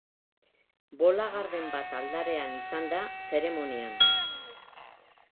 Bola garden bat aldarean izan da zeremonian.